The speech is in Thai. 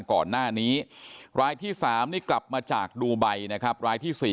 ก่อนหน้านี้รายที่๓นี่กลับมาจากดูไบนะครับรายที่๔